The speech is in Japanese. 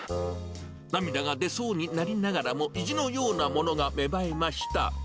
涙が出そうになりながらも、意地のようなものが芽生えました。